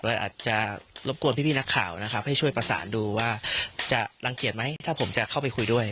อาจจะรบกวนพี่นักข่าวนะครับให้ช่วยประสานดูว่าจะรังเกียจไหมถ้าผมจะเข้าไปคุยด้วย